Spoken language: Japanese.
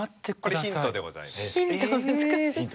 これヒントでございます。